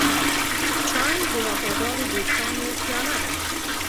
چای د وفادارو دوستانو پیاله ده.